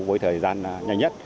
với thời gian nhanh nhất